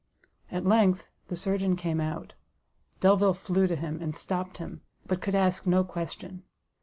At length the surgeon came out: Delvile flew to him, and stopt him, but could ask no question.